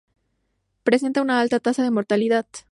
Presenta una alta tasa de mortalidad.